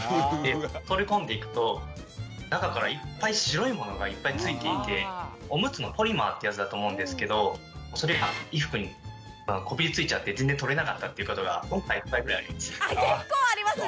取り込んでいくと中からいっぱい白いものがいっぱい付いていてオムツのポリマーってやつだと思うんですけどそれが衣服にこびりついちゃって全然取れなかったっていうことが結構ありますね！